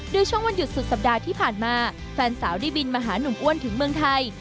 โดยช่วงวันหยุดสุดสัปดาห์ที่ผ่านมาแฟนสาวได้บินมาหาหนุ่มอ้วนถึงเมืองไทย